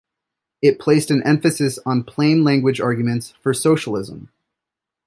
It placed an emphasis on plain language arguments for socialism.